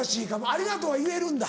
ありがとうは言えるんだ。